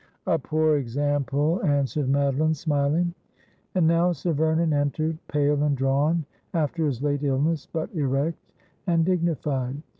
' A poor example,' answered Madeline, smiling. And now Sir Vernon entered, pale and drawn after his late illness, but erect and dignified.